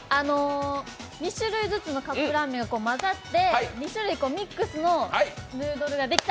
２種類ずつのカップヌードルが混ざって２種類ミックスのカップヌードルができた。